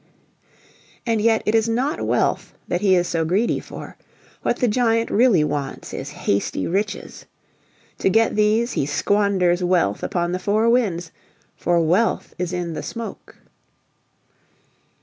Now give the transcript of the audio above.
And yet it is not wealth that he is so greedy for: what the giant really wants is hasty riches. To get these he squanders wealth upon the four winds, for wealth is in the smoke.